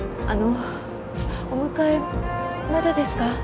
あのお迎えまだですか？